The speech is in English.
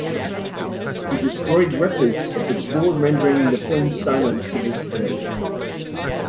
He destroyed records of the score rendering the film silent to this day.